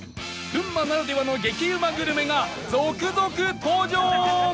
群馬ならではの激うまグルメが続々登場！